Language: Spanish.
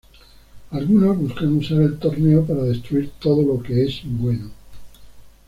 Algunos buscan usar el torneo para destruir todo lo que es bueno.